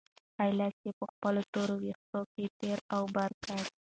ښی لاس یې په خپلو تورو وېښتانو کې تېر او بېر کړ.